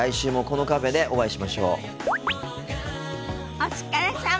お疲れさま。